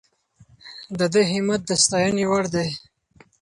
د ده همت د ستاینې وړ دی.